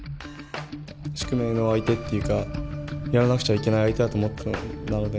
宿命の相手っていうかやらなくちゃいけない相手だと思っていたので。